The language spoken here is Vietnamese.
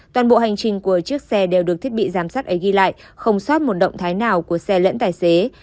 toàn bộ hành trình của chiếc xe đều được thiết bị giám sát ấy ghi lại không xót một động thái nào của xe lẫn tài xế